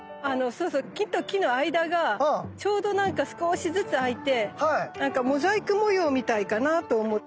木と木の間がちょうどなんか少しずつあいてなんかモザイク模様みたいかなと思って。